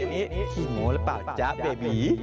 เฮ้ยนี่หัวหรือเปล่าจ๊ะเบบี